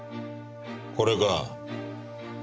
これか。